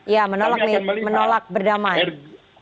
ya menolak berdamai